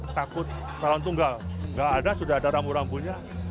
takut calon tunggal nggak ada sudah ada rambu rambunya